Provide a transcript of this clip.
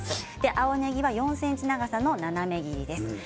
青ねぎは４ｃｍ長さの斜め切りです。